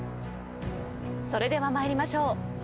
それでは参りましょう。